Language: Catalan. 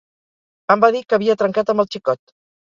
Em va dir que havia trencat amb el xicot.